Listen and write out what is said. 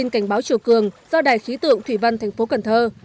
bản tin cảnh báo chiều cường do đài khí tượng thủy văn tp cần thơ